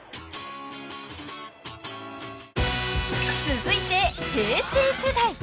［続いて平成世代］